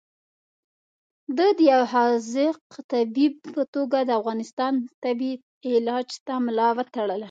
ده د یو حاذق طبیب په توګه د افغانستان تبې علاج ته ملا وتړله.